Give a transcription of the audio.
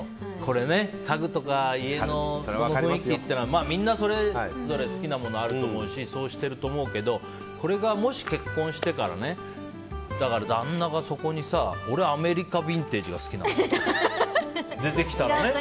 家具とか家の雰囲気ってみんな、それぞれ好きなものあると思うしそうしてると思うけどそれがもし結婚してから旦那がそこに俺、アメリカビンテージが好きなんだとか出てきたらね。